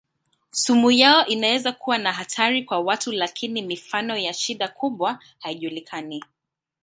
Sumu yao inaweza kuwa na hatari kwa watu lakini mifano ya shida kubwa haijulikani.